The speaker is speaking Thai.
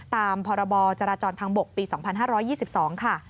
ตามพรบจราจรทางบกปี๒๕๒๒ค่ะ